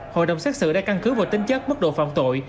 hội đồng xét xử đã căn cứ vào tính chất mức độ phạm tội